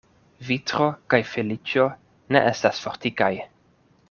Vitro kaj feliĉo ne estas fortikaj.